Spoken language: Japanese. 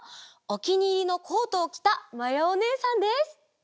おきにいりのコートをきたまやおねえさんです！